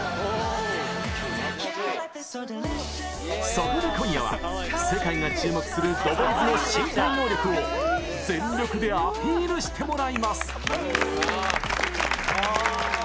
そこで今夜は世界が注目するＴＨＥＢＯＹＺの身体能力を全力でアピールしてもらいます。